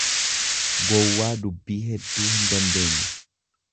.gowwaa dubbii hedduu hindandeenye.